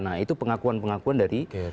nah itu pengakuan pengakuan dari